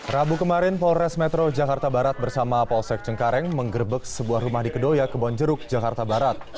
rabu kemarin polres metro jakarta barat bersama polsek cengkareng menggerbek sebuah rumah di kedoya kebonjeruk jakarta barat